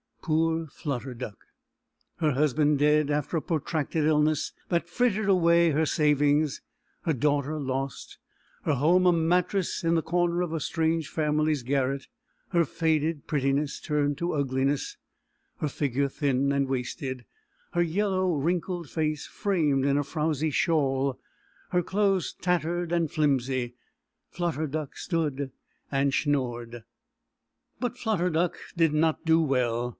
Poor Flutter Duck! Her husband dead, after a protracted illness that frittered away his savings; her daughter lost; her home a mattress in the corner of a strange family's garret; her faded prettiness turned to ugliness: her figure thin and wasted; her yellow wrinkled face framed in a frowsy shawl; her clothes tattered and flimsy; Flutter Duck stood and schnorred. But Flutter Duck did not do well.